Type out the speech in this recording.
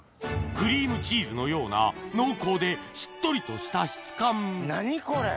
クリームチーズのような濃厚でしっとりとした質感何これ？